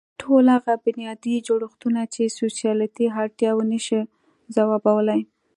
ټول هغه بنیادي جوړښتونه چې سوسیالېستي اړتیاوې نه شي ځوابولی.